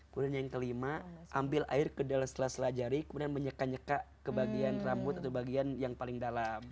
kemudian yang kelima ambil air ke dalam setelah setelah jari kemudian menyeka nyeka ke bagian rambut atau bagian yang paling dalam